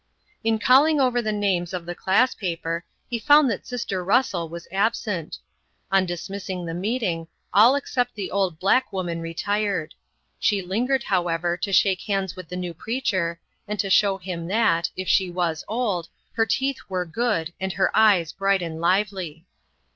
In calling over the names on the class paper he found that sister Russell was absent. On dismissing the meeting, all except the old black woman retired. She lingered, however, to shake hands with the new preacher, and to show him that, if she was old, her teeth were good, and her eyes bright and lively.